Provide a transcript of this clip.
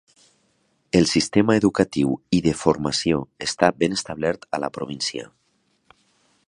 El sistema educatiu i de formació està ben establert a la província.